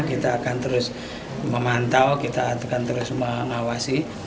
kita akan terus memantau kita akan terus mengawasi